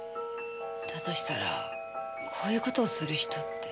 だとしたらこういう事をする人って。